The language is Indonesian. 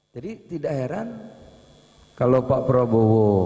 jadi tidak heran kalau pak prabowo